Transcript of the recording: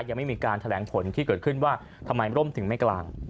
ยังไม่มีการแถลงผลที่เกิดขึ้นว่าทำไมร่มถึงไม่กลาง